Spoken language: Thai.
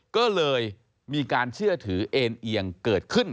ก็เลยมีการเชื่อถือเอ็นเอียงเกิดขึ้น